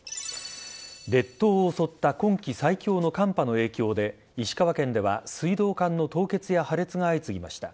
列島を襲った今季最強の寒波の影響で石川県では水道管の凍結や破裂が相次ぎました。